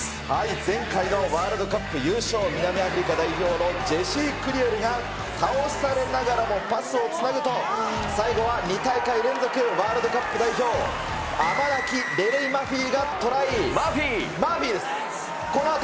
前回のワールドカップ優勝、南アフリカ代表のジェシー・クリエルがパスをつなぐと、最後は２大会連続ワールドカップ代表、アマナキ・レレイ・マフィがトライ。